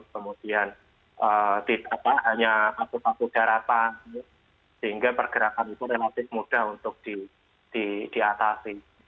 kemudian tidak hanya angkut angkut daratan sehingga pergerakan itu relatif mudah untuk diatasi